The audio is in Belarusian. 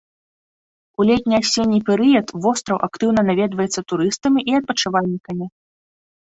У летне-асенні перыяд востраў актыўна наведваецца турыстамі і адпачывальнікамі.